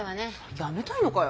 やめたいのかよ。